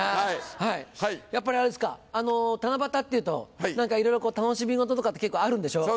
やっぱりあれですか七夕っていうと何かいろいろ楽しみごととかって結構あるんでしょ？